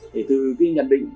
thì từ cái nhận định